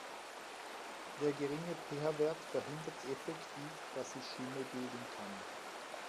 Der geringe PH-Wert verhindert effektiv, dass sich Schimmel bilden kann.